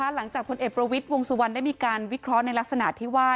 หลังจากพลเอกประวิทย์วงสุวรรณได้มีการวิเคราะห์ในลักษณะที่ว่า